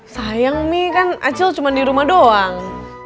sayang nih kan acil cuma di rumah doang